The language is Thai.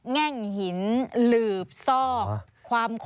แง่งหินหลืบซอกความคม